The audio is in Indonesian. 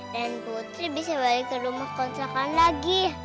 dan putri bisa balik ke rumah konsulkan lagi